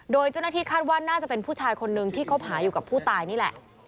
โดยเจ้าหน้าที่คาดว่าน่าจะเป็นผู้ชายคนนึงที่คบหาอยู่กับผู้ตายนี่แหละ